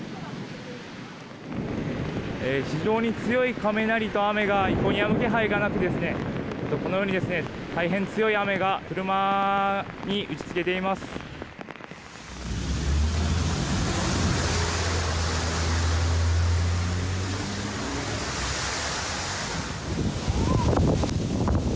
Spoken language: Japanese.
非常に強い雷と雨が一向にやむ気配がなくこのように大変強い雨が車に打ちつけています。